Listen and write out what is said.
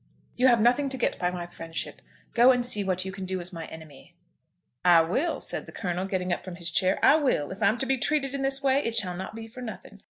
You have nothing to get by my friendship. Go and see what you can do as my enemy." "I will," said the Colonel, getting up from his chair; "I will. If I'm to be treated in this way it shall not be for nothing.